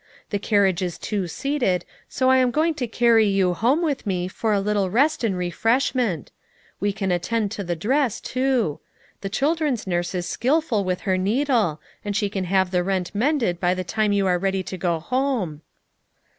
The carriage is two seated, so I am going to carry you home with me for a little rest and refreshment; we can attend to the dress, too. The children's nurse is skillful with her needle and she can have the 88 FOUR MOTHERS AT CHAUTAUQUA rent mended by the time you are ready to go home."